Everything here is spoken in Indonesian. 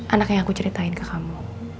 anak yang aku ceritain ke kamu